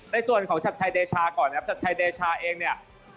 ในส่วนของชัดชัยเดชาก่อนครับชัดชัยเดชาเองเนี่ย